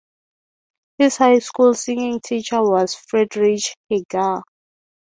His high school singing teacher was Friedrich Hegar.